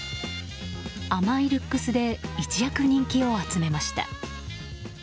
甘いルックスで一躍人気を集めました。